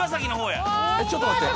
ちょっと待って。